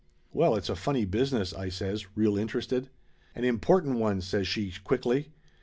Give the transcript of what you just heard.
"Well, it's a funny business !" I says, real interested. "An important one!" says she quickly.